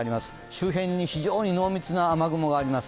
周辺に非常に濃密な雨雲があります。